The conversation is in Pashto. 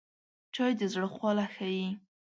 چای د زړه خواله ښيي